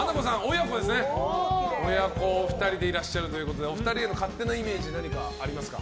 親子親子お二人でいらっしゃるということでお二人への勝手なイメージ何かありますか？